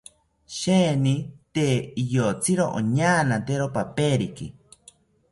Sheeni tee iyotziro oñaanatero paperiki